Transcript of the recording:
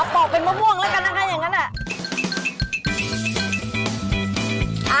เอาปอกเป็นแมวม่วงะกันนะครับอย่างก็แหละ